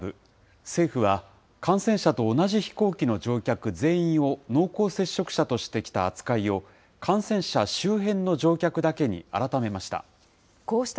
政府は、感染者と同じ飛行機の乗客全員を濃厚接触者としてきた扱いを、感染者周辺の乗客だけに改めました。